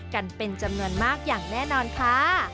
กันเป็นจำนวนมากอย่างแน่นอนค่ะ